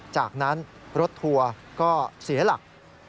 จากนั้นรถทัวร์ก็เสียหลัก